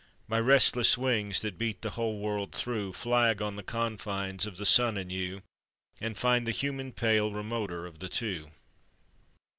My restless wings, that beat the whole world through, Flag on the confines of the sun and you; And find the human pale remoter of the two.